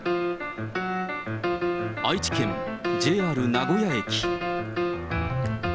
愛知県、ＪＲ名古屋駅。